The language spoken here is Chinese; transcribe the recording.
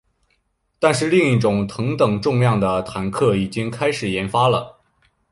但是另一种同等重量的坦克已经开始研发了。